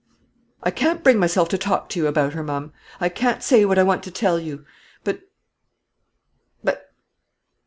I can't bring myself to talk to you about her, ma'am. I can't say what I want to tell you: but but